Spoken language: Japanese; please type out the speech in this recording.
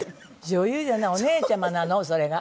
女優じゃないお姉ちゃまなのそれが。